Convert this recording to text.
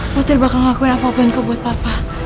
putri bakal ngakuin apa apa yang kau buat papa